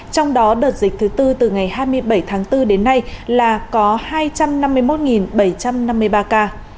trong đó đợt dịch thứ tư từ ngày hai mươi bảy tháng bốn đến nay là có hai trăm năm mươi một bảy trăm năm mươi ba ca